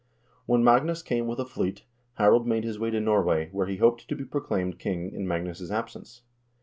When Magnus came with a fleet, Harald made his way to Norway, where he hoped to be proclaimed king in Magnus' absence.